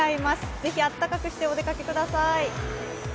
ぜひ暖かくしてお出かけください。